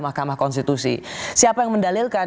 mahkamah konstitusi siapa yang mendalilkan